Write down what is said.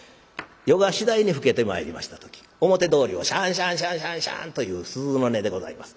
夜が次第に更けてまいりました時表通りをシャンシャンシャンシャンシャンという鈴の音でございます。